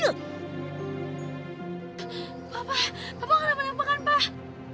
pak pak papa akan menemukan pak